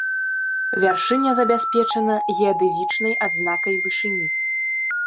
Вяршыня забяспечана геадэзічнай адзнакай вышыні.